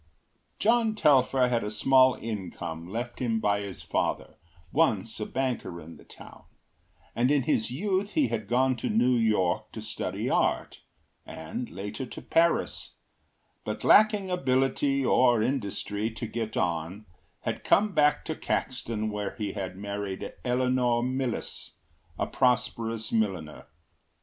John Telfer had a small income left him by his father, once a banker in the town, and in his youth he had gone to New York to study art, and later to Paris; but lacking ability or industry to get on had come back to Caxton where he had married Eleanor Millis, a prosperous milliner.